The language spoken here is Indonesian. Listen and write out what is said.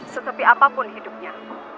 setepi apapun hidupnya